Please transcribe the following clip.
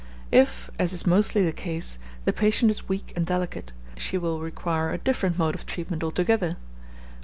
If, as is mostly the case, the patient is weak and delicate, she will require a different mode of treatment altogether.